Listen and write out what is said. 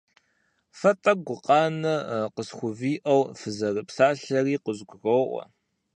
Фэ тӀэкӀу гукъанэ къысхувиӀэу фызэрыпсалъэри къызгуроӀуэ.